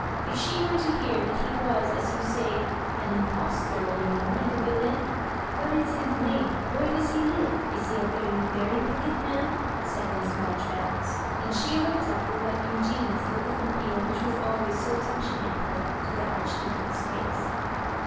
If she were to hear that he was, as you say, an impostor, you know, and a villain ?— ^What is his name? — ^Where does he live? Is he a very, very wicked man ?" said Miss Marjoribanks, and she looked up with that mgennous look of appeal which was always so touching in her, to the Archdeacon's face.